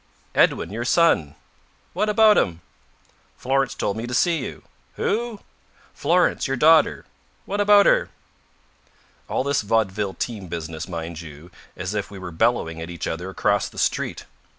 "Edwin. Your son." "What about him?" "Florence told me to see you." "Who?" "Florence. Your daughter." "What about her?" All this vaudeville team business, mind you, as if we were bellowing at each other across the street.